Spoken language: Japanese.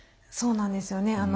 そうなんですよね。